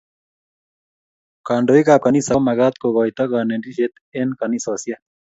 kandoik ab kanisa ko magat kokoito kanetishet eng kanisoshek